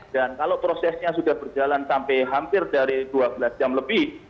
dan kalau prosesnya sudah berjalan sampai hampir dari dua belas jam lebih